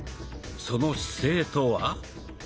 その姿勢とは？